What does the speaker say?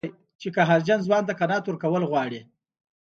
چې قهرجن ځوان ته قناعت ورکول غواړي.